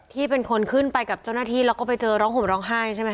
ที่เป็นคนขึ้นไปกับเจ้าหน้าที่แล้วก็ไปเจอร้องห่มร้องไห้ใช่ไหมค